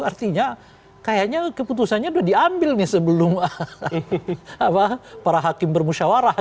artinya kayaknya keputusannya udah diambil nih sebelum para hakim bermusyawarah